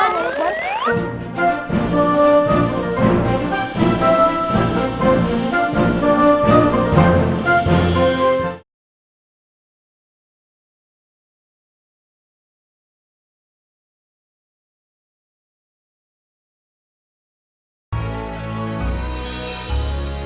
pada saat ini